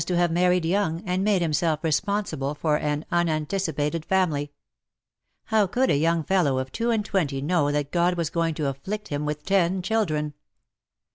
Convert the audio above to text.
to have married young and made himself responsible for an unanticipated family —^' How could a young fellow of two and twenty know that God was going to afflict him with ten children